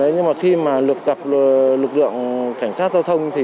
nhưng mà khi lực lượng cảnh sát giao thông